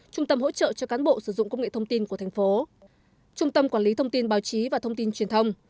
trung tâm hỗ trợ cho cán bộ sử dụng công nghệ thông tin của thành phố trung tâm quản lý thông tin báo chí và thông tin truyền thông